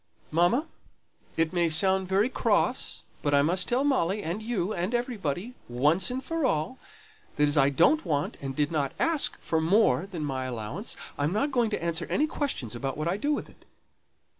"Mamma! it may sound very cross, but I must tell Molly, and you, and everybody, once for all, that as I don't want and didn't ask for more than my allowance, I'm not going to answer any questions about what I do with it."